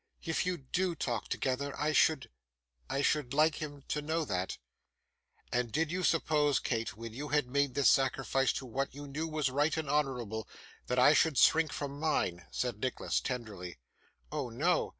If you do talk together, I should I should like him to know that.' 'And did you suppose, Kate, when you had made this sacrifice to what you knew was right and honourable, that I should shrink from mine?' said Nicholas tenderly. 'Oh no!